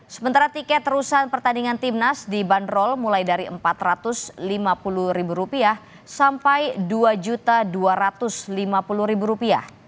sementara tiket terusan pertandingan timnas dibanderol mulai dari rp empat ratus lima puluh sampai rp dua dua ratus lima puluh